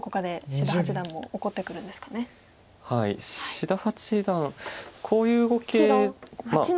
志田八段こういう碁形。